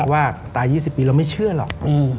ว่าตาย๒๐ปีเราไม่เชื่อหรอก